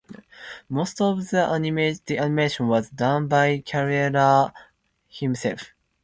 Most of the animation was done by Carrera himself.